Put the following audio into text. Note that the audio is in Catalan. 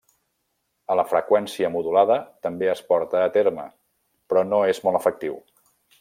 A la freqüència modulada també es porta a terme, però no és molt efectiu.